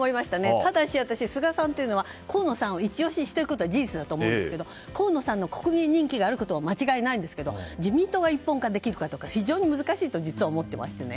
ただし、私は菅さんは河野さんを一押ししているのは事実だと思うんですけど河野さんの国民人気があることは間違いないんですけど自民党は一本化できるかどうか非常に難しいと思っています。